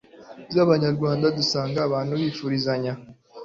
z'Abanyarwanda dusanga abantu bifurizanya